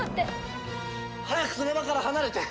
早くその場から離れて！